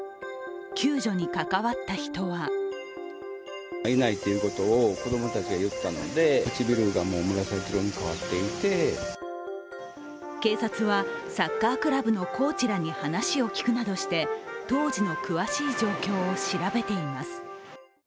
救助に関わった人は警察はサッカークラブのコーチらに話を聞くなどして、当時の詳しい状況を調べています。